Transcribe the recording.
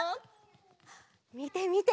みてみて！